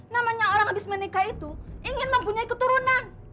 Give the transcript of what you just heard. namanya orang abis menikah itu ingin mempunyai keturunan